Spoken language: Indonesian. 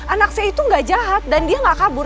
anak saya itu nggak jahat dan dia nggak kabur